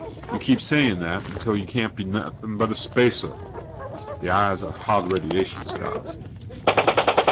You keep saying that until you can't be anything but a spacer. The eyes are hard radiation scars."